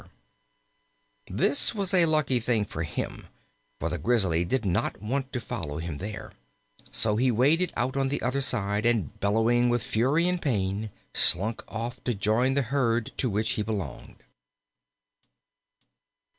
This was a lucky thing for him, for the Grizzly did not want to follow him there; so he waded out on the other side, and bellowing with fury and pain, slunk off to join the herd to which he belonged.